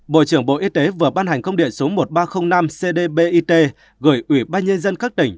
bộ trưởng bộ y tế vừa ban hành công điện số một nghìn ba trăm linh năm cdbit gửi ủy ban nhân dân các tỉnh